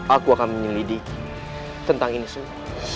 aku akan menyelidiki tentang ini semua